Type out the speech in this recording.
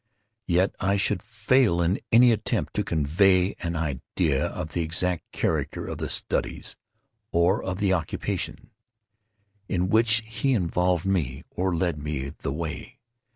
Yet I should fail in any attempt to convey an idea of the exact character of the studies, or of the occupations, in which he involved me, or led me the way.